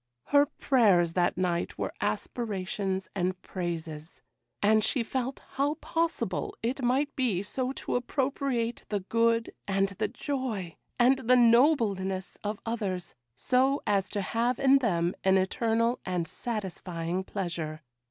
Her prayers that night were aspirations and praises; and she felt how possible it might be so to appropriate the good, and the joy, and the nobleness of others, so as to have in them an eternal and satisfying pleasure.